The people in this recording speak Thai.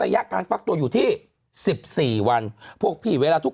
ระยะการฟักตัวอยู่ที่สิบสี่วันพวกพี่เวลาทุก